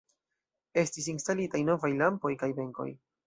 Estis instalitaj novaj lampoj kaj benkoj.